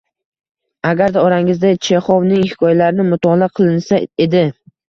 Agarda orangizda Chexovning hikoyalarini mutolaa qilinsa edi.